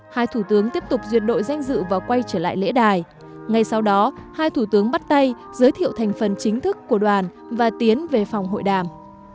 hai thủ tướng tiếp tục duyệt đội danh dự và quay trở lại lễ đài ngay sau đó hai thủ tướng bắt tay giới thiệu thành phần chính thức của đoàn và tiến về phòng hội đàm